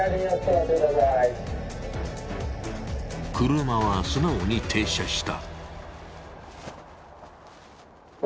車は素直に停車した。